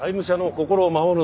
心を守る？